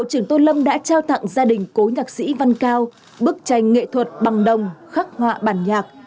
bộ trưởng tô lâm đã trao tặng gia đình cố nhạc sĩ văn cao bức tranh nghệ thuật bằng đồng khắc họa bản nhạc